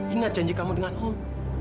inat janji kamu dengan om